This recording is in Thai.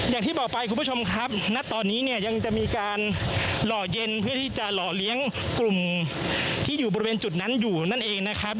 อย่างที่บอกไปคุณผู้ชมครับณตอนนี้เนี่ยยังจะมีการหล่อเย็นเพื่อที่จะหล่อเลี้ยงกลุ่มที่อยู่บริเวณจุดนั้นอยู่นั่นเองนะครับ